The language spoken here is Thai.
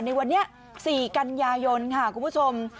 ในวันนี้๔กันยายนค่ะคุณผู้ชม